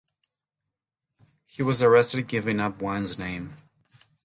He was arrested, giving up Wynne's name.